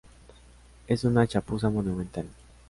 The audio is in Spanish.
es una chapuza monumental